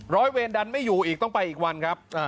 ร้อยเวรดันไม่อยู่อีกต้องไปอีกวันครับ